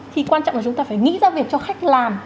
thì quan trọng là chúng ta phải nghĩ ra việc cho khách làm